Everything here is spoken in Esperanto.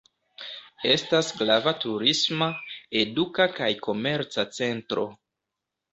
Estas grava turisma, eduka kaj komerca centro.